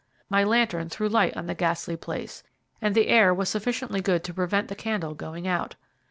My lantern threw light on the ghastly place, and the air was sufficiently good to prevent the candle going out.